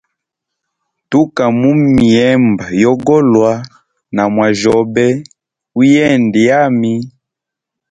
Tuka mumihemba yogolwa na mwajyobe uyende yami.